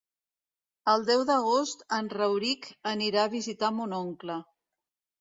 El deu d'agost en Rauric anirà a visitar mon oncle.